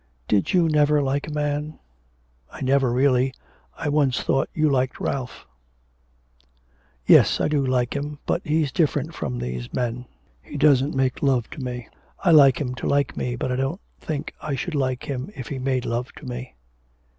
Did you never like a man? I never really. I once thought you liked Ralph.' 'Yes, I do like him. But he's different from these men; he doesn't make love to me. I like him to like me, but I don't think I should like him if he made love to me.'